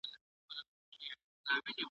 تاریخي کور پخوانی وو د نسلونو .